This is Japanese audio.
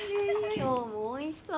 今日もおいしそう。